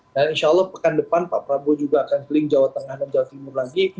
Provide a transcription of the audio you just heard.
dan insya allah pekan depan pak prabu juga akan keling jawa tengah dan jawa timur lagi